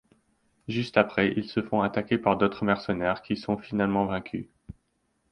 Juste après, ils se font attaquer par d'autres mercenaires qui sont finalement vaincus.